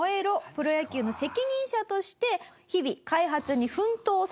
プロ野球』の責任者として日々開発に奮闘されていました。